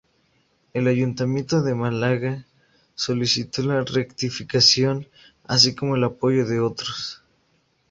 El Ayuntamiento de Málaga solicitó la rectificación así como el apoyo de otros.